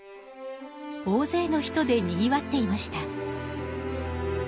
大ぜいの人でにぎわっていました。